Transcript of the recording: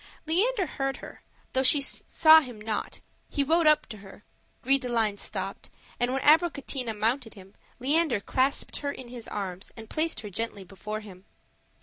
Leander heard her, though she saw him not: he rode up to her; Gris de line stopped, and when Abricotina mounted him, Leander clasped her in his arms and placed her gently before him.